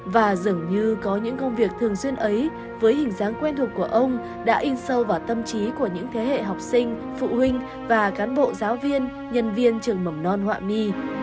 và dường như có những công việc thường xuyên ấy với hình dáng quen thuộc của ông đã in sâu vào tâm trí của những thế hệ học sinh phụ huynh và cán bộ giáo viên nhân viên trường mầm non họa mi